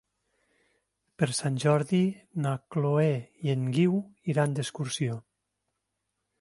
Per Sant Jordi na Chloé i en Guiu iran d'excursió.